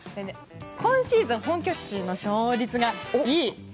今シーズン本拠地の勝率がいい！